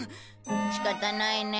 仕方ないね。